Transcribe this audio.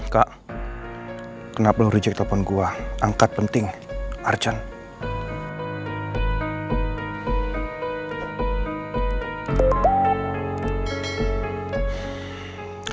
kak kenapa lo reject telepon gue angkat penting archan